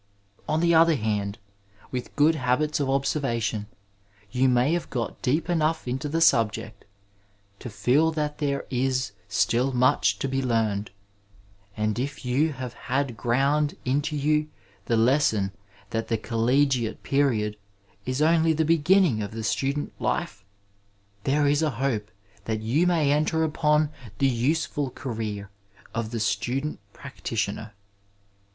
On the other hand, with good habits of observation you may have got deep enough into the subject to feel that there is still much to be learned, and if you have had ground into^you the lesson that the collegiate period is only the beginning of the student life, there is a hope that you may enter upon the useful career of the stfident'practitianer.